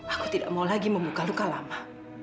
aku tidak mau lagi membuka luka lama